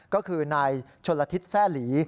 ก็คือนายชนละทิศแซ่หลี